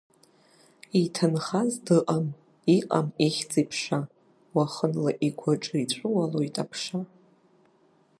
Иҭынхаз дыҟам, иҟам ихьӡ-иԥша, уахынла игәаҿы иҵәыуалоит аԥша.